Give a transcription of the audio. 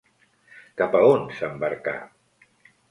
Cap a on s'embarcà?